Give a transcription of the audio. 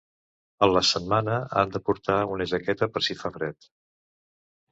A la setmana han de portar una jaqueta per si fa fred.